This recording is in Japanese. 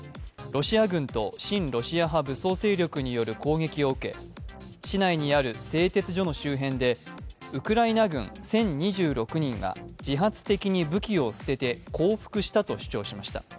ロシア軍と親ロシア派武装勢力による攻撃を受け市内にある製鉄所の周辺でウクライナ軍１０２６人が自発的に武器を捨てて降伏したと主張しました。